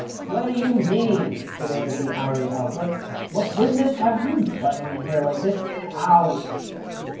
"What do you mean?" demanded the irate author. "What business have you butting in here like this? Get out!"